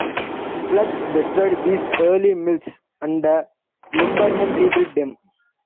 Floods destroyed these early mills, and the lumbermen rebuilt them.